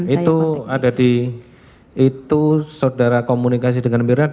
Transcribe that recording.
itu ada di itu saudara komunikasi dengan mirna